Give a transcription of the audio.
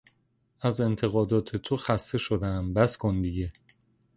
از انتقادات تو خسته شدهام، بس کن دیگه!